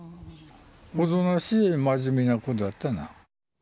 おとなしい、真面目な子だったな。